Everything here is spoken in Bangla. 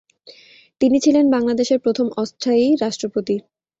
তিনি ছিলেন বাংলাদেশের প্রথম অস্থায়ী রাষ্ট্রপতি।